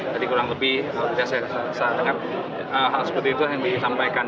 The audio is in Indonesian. jadi kurang lebih kalau tidak salah dengan hal seperti itu yang disampaikan